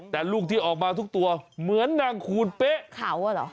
แต่ลูกที่ออกมาทุกตัวเหมือนนางคูณเป๊ะเขาอ่ะเหรอ